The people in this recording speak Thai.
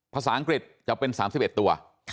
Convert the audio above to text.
ภาษาอังกฤษจะเป็น๓๑ตัว